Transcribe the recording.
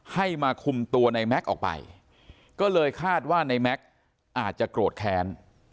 ให้มาคุมตัวในแม็กซ์ออกไปก็เลยคาดว่าในแม็กซ์อาจจะโกรธแค้น